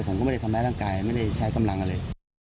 ผมก็ไม่ได้ทำร้ายร่างกายไม่ได้ใช้กำลังอะไร